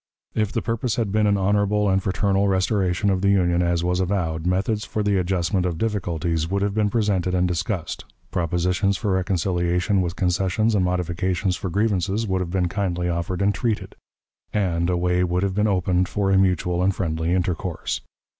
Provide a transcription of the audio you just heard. If the purpose had been an honorable and fraternal restoration of the Union as was avowed, methods for the adjustment of difficulties would have been presented and discussed; propositions for reconciliation with concessions and modifications for grievances would have been kindly offered and treated; and a way would have been opened for a mutual and friendly intercourse.